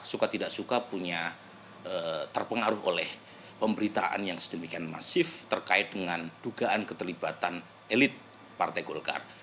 suka tidak suka punya terpengaruh oleh pemberitaan yang sedemikian masif terkait dengan dugaan keterlibatan elit partai golkar